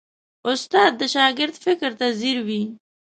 استاد د شاګرد فکر ته ځیر وي.